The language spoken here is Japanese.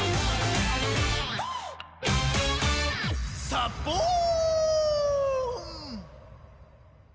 「サボーン！」